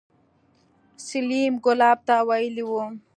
سليم ګلاب ته ويلي وو.